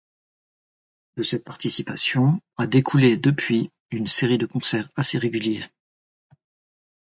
De cette participation a découlé depuis une série de concerts assez réguliers.